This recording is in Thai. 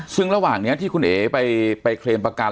ซึ่งระหว่างนี้ที่คุณเอ๋ไปเคลมประกัน